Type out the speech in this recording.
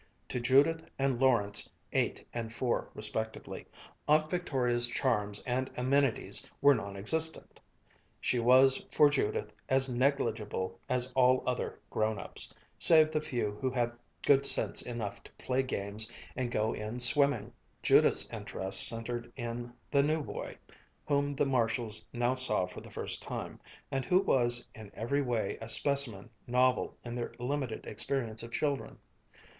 To Judith and Lawrence, eight and four respectively, Aunt Victoria's charms and amenities were non existent. She was for Judith as negligible as all other grown ups, save the few who had good sense enough to play games and go in swimming. Judith's interest centered in the new boy, whom the Marshalls now saw for the first time, and who was in every way a specimen novel in their limited experience of children.